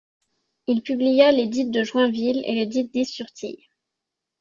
Il publia l'édit de Joinville, et l'édit d'Is-sur-Tille.